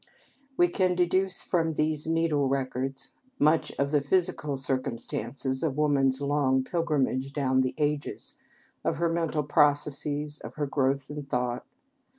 We can deduce from these needle records much of the physical circumstances of woman's long pilgrimage down the ages, of her mental processes, of her growth in thought.